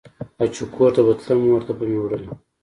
او چې کور ته به تلم مور ته به مې وړله.